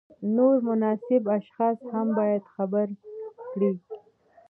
نور مناسب اشخاص هم باید خبر کړي.